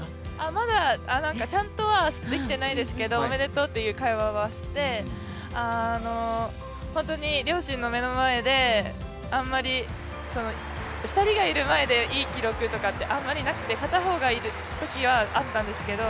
まだちゃんとはできてないですけどおめでとうという会話はしてホントに両親の目の前であまり、２人がいる前でいい記録とかってあんまりなくて片方がいるときはあったんですけど